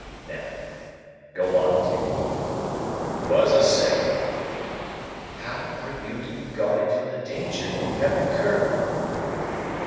Now, go on, dear boy. You was a saying—" "How are you to be guarded from the danger you have incurred?"